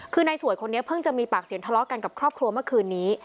คือนายสวยคนนี้เพิ่งจะมีปากเสียงทะเลาะกันกับครอบครัวเมื่อคืนนี้